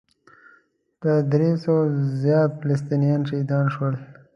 تر درې سوو زیات فلسطینیان شهیدان شول.